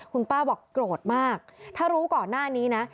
คุณป้าบอกโกรธมากถ้ารู้ก่อนหน้านี้นะ